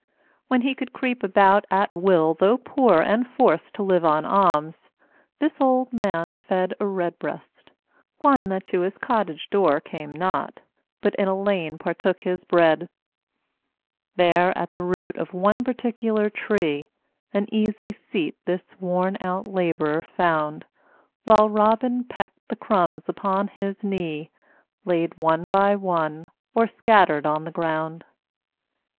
When he could creep about, at will, though poor And forced to live on alms, this old Man fed A Redbreast, one that to his cottage door Came not, but in a lane partook his bread. There, at the root of one particular tree, An easy seat this worn out Labourer found While Robin pecked the crumbs upon his knee Laid one by one, or scattered on the ground.